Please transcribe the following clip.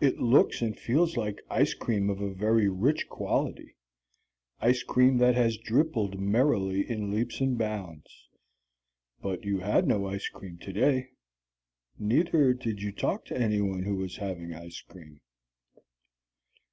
It looks and feels like ice cream of a very rich quality; ice cream that has drippled merrily in leaps and bounds. But you had no ice cream today. Neither did you talk to anyone who was having ice cream.